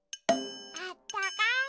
あったかい。